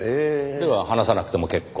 では話さなくても結構。